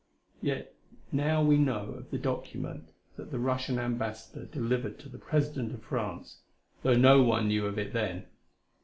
We know now of the document that the Russian Ambassador delivered to the President of France, though no one knew of it then.